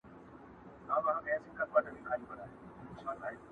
د غمي له زوره مست ګرځي نشه دی،